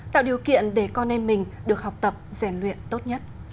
tạo điều kiện để con em mình được học tập rèn luyện tốt nhất